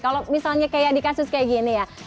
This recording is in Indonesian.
kalau misalnya kayak di kasus kayak gini ya